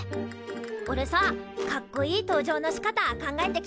おれさかっこいい登場のしかた考えてきたんだけっどよ。